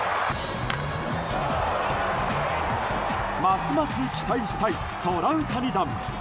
ますます期待したいトラウタニ弾！